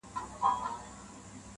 د مرګي لښکري بند پر بند ماتیږي-